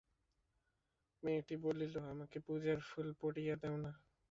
মেয়েটি বলিল, আমাকে পূজার ফুল পাড়িয়া দাও-না।